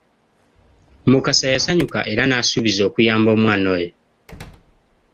Mukasa yasanyuka era n'asuubiza okuyamba omwana oyo.